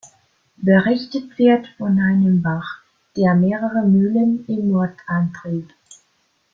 Berichtet wird von einem Bach, der mehrere Mühlen im Ort antrieb.